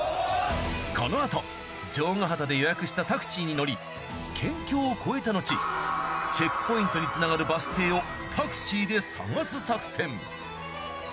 このあと尉ヶ畑で予約したタクシーに乗り県境を越えたのちチェックポイントにつながるバス停をタクシーで探す作戦。